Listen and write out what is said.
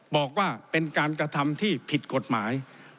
บอกว่าเป็นการกระทำที่ผิดกฎหมาย